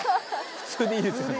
普通でいいですよね。